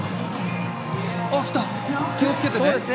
あっ来た、気をつけてね。